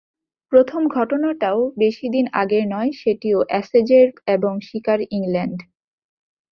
প্রথম ঘটনাটাও বেশি দিন আগের নয়, সেটিও অ্যাশেজের এবং শিকার ইংল্যান্ড।